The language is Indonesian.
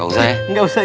gak usah iya gak usah